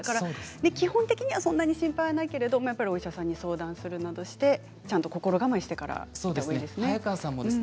基本的にはそんなに心配はないけどお医者さんに相談するなどしてちゃんと心構えしてからというほうがいいですね。